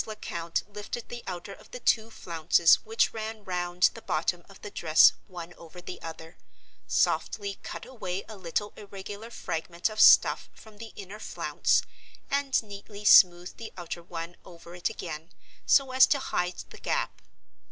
Lecount lifted the outer of the two flounces which ran round the bottom of the dress one over the other, softly cut away a little irregular fragment of stuff from the inner flounce, and neatly smoothed the outer one over it again, so as to hide the gap.